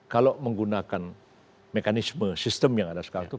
kalau menggunakan mekanisme sistem yang ada sekarang itu